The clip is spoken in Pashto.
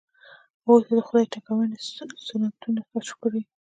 هغوی د خدای تکویني سنتونه کشف کړي.